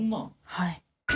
はい。